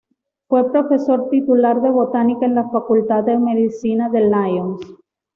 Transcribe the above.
Fue Profesor Titular de Botánica en la Facultad de Medicina de Lyons.